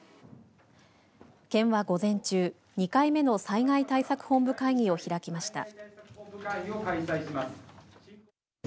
県は午前中２回目の災害対策本部会議を開きました。